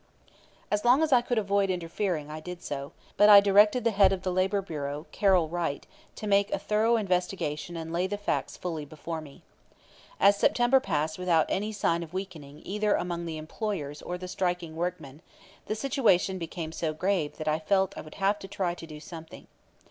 As long as I could avoid interfering I did so; but I directed the head of the Labor Bureau, Carroll Wright, to make a thorough investigation and lay the facts fully before me. As September passed without any sign of weakening either among the employers or the striking workmen, the situation became so grave that I felt I would have to try to do something.